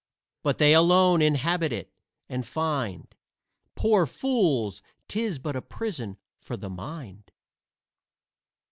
But they alone inhabit it, and find, Poor fools, 'tis but a prison for the mind.